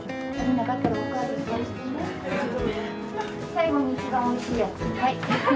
最後に一番おいしいやつ。